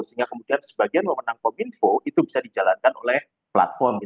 sehingga kemudian sebagian memenang kominfo itu bisa dijalankan oleh platform